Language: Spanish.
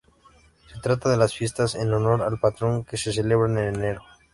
Se trata de las fiestas en honor al patrón que se celebran en enero.